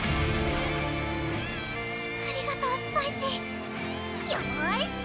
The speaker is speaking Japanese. ありがとうスパイシーよし！